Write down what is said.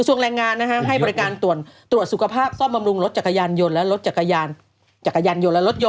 ทางแรงงานให้บริการตรวจสุขภาพซ่อมบำรุงรถจักรยานยนต์และรถยนต์